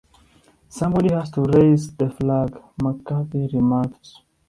'Somebody has to raise the flag,' McCarthy remarked.